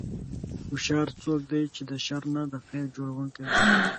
هوښیار څوک دی چې د شر نه د خیر جوړوونکی وي.